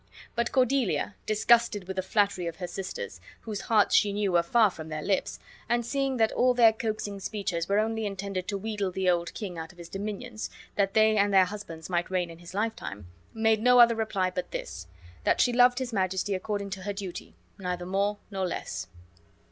But Cordelia, disgusted with the flattery of her sisters, whose hearts she knew were far from their lips, and seeing that all their coaxing speeches were only intended to wheedle the old king out of his dominions, that they and their husbands might reign in his lifetime, made no other reply but this that she loved his Majesty according to her duty, neither more nor less.